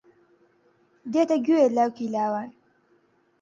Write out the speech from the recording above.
دێتە گوێ لاوکی لاوان